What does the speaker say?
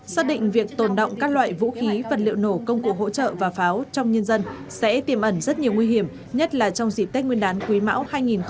xác định việc tồn động các loại vũ khí vật liệu nổ công cụ hỗ trợ và pháo trong nhân dân sẽ tiềm ẩn rất nhiều nguy hiểm nhất là trong dịp tết nguyên đán quý mão hai nghìn hai mươi